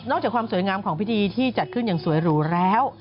จากความสวยงามของพิธีที่จัดขึ้นอย่างสวยหรูแล้ว